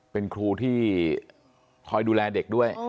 เป็นครูที่คอยดูแลเด็กด้วย